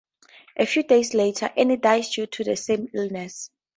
A few days later, Anne died due to the same illness.